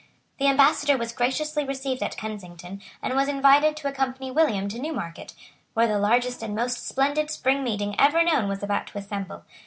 The Ambassador was graciously received at Kensington, and was invited to accompany William to Newmarket, where the largest and most splendid Spring Meeting ever known was about to assemble.